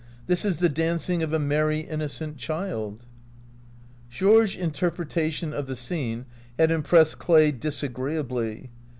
"This is the dancing of a merry, innocent child." Georges' interpretation of the scene had impressed Clay disagreeably.